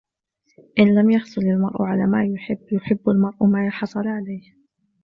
إن لم يحصل المرء على ما يحب ، يحب المرء ما حصل عليه.